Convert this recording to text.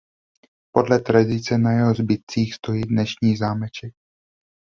Podle tradice na jeho zbytcích stojí dnešní zámeček.